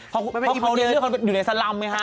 เขาที่เลือกควรอยู่ในสรำไหมคะ